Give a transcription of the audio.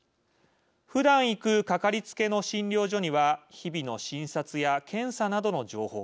ふだん行くかかりつけの診療所には日々の診察や検査などの情報が。